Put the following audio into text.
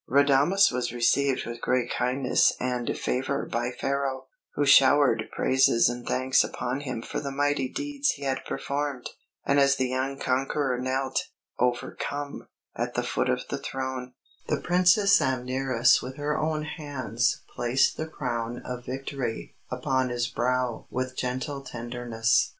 Radames was received with great kindness and favour by Pharaoh, who showered praises and thanks upon him for the mighty deeds he had performed; and as the young conqueror knelt, overcome, at the foot of the throne, the Princess Amneris with her own hands placed the crown of victory upon his brow with gentle tenderness.